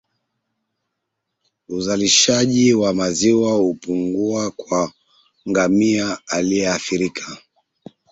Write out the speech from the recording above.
Uzalishaji wa maziwa hupungua kwa ngamia aliyeathirika